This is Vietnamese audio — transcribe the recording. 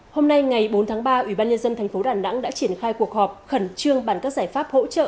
hôm nay ngày bốn tháng ba ủy ban nhân dân thành phố đà nẵng đã triển khai cuộc họp khẩn trương bằng các giải pháp hỗ trợ